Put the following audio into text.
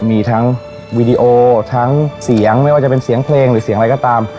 มีทั้งวีดีโอทั้งเสียงไม่ว่าจะเป็นเสียงเพลงหรือเสียงอะไรก็ตาม